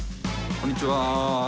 こんにちは。